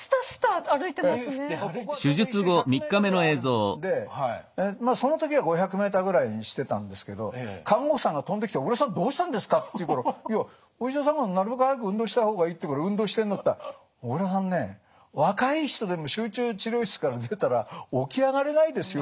ここはちょうど１周１００ｍぐらいあるんでまあその時は５００ｍぐらいにしてたんですけど看護師さんが飛んできて「小倉さんどうしたんですか」って言うから「いやお医者さんがなるべく早く運動した方がいいって言うから運動してんだ」って言ったら「小倉さんね若い人でも集中治療室から出たら起き上がれないですよ」って言うわけ。